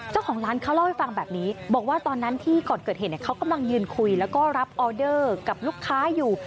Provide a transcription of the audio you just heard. เจ้าของร้านเขาเล่าให้ฟังแบบนี้บอกว่าตอนนั้นที่ก่อนเกิดเหตุเขากำลังยืนคุยแล้วก็รับออเดอร์กับลูกค้าอยู่